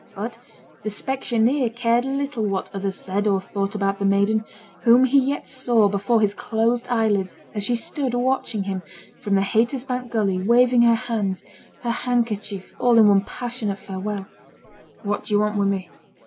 But the specksioneer cared little what others said or thought about the maiden, whom he yet saw before his closed eyelids as she stood watching him, from the Haytersbank gully, waving her hands, her handkerchief, all in one passionate farewell. 'What do yo' want wi' me?'